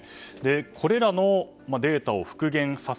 これらのデータを復元させる。